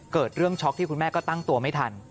เกิดเรื่องช็อกที่คุณแม่ก็ตั้งตัวไม่ทัน